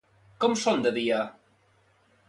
Com són de dia?